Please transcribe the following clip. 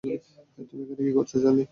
তুমি এখানে কী করছো, চার্লি?